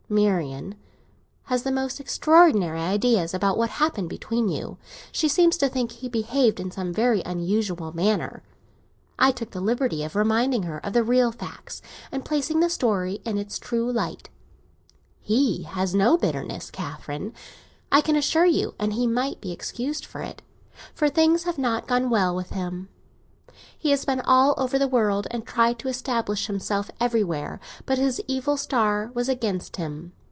Marian has the most extraordinary ideas about what happened between you; she seems to think he behaved in some very unusual manner. I took the liberty of reminding her of the real facts, and placing the story in its true light. He has no bitterness, Catherine, I can assure you; and he might be excused for it, for things have not gone well with him. He has been all over the world, and tried to establish himself everywhere; but his evil star was against him.